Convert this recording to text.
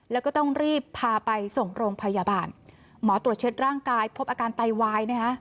แล้วก็ต้องรีบพาไปส่งโรงพยาบาลหมอตรวจเช็ดร่างกายพบอาการไตวายนะฮะ